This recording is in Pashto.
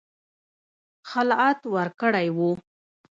خلعت ورکړی وو.